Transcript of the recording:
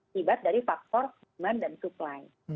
tiba dari faktor demand dan supply